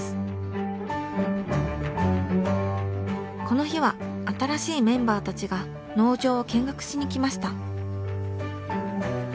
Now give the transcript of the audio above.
この日は新しいメンバーたちが農場を見学しに来ました。